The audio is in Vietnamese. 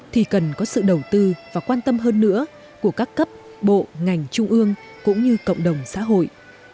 thì cần có sự đầu tư và quan tâm hơn nữa của các cấp bộ ngành trung ương cũng như cộng đồng xã hội